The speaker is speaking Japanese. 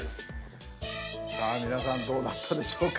さあ皆さんどうだったでしょうか？